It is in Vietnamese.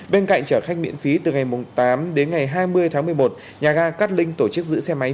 bên cạnh chở khách miễn phí từ ngày tám đến ngày hai mươi tháng một mươi một nhà ga cát linh tổ chức giữ xe máy